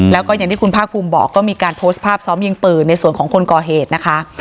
แล้วก็อย่างที่คุณภาคภูมิบอกก็มีการโพสต์ภาพซ้อมยิงปืนในส่วนของคนก่อเหตุนะคะ